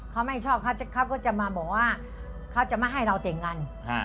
เขาไม่ชอบเขาก็จะมาบอกว่าเขาจะไม่ให้เราแต่งงาน